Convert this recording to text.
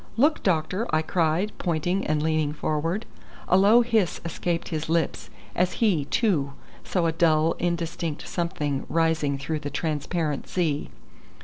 "Look, doctor!" I cried, pointing, and leaning forward. A low hiss escaped his lips as he, too, saw a dull, indistinct something rising through the transparent sea.